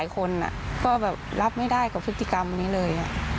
คนก็แบบรับไม่ได้กับพฤติกรรมนี้เลย